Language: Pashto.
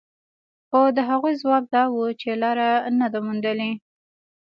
خو د هغوی ځواب دا و چې لاره يې نه ده موندلې.